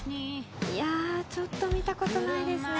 いやちょっと見た事ないですね。